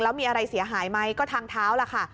แล้วมีอะไรเสียหายไหมก็ทางเท้าล่ะค่ะ